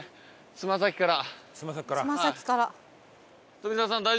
つま先から。